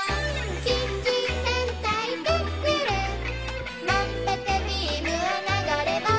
「キッチン戦隊クックルン」「まんぷくビームは流れ星」